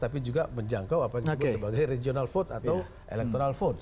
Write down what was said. tapi juga menjangkau apa yang disebut sebagai regional vote atau electoral vote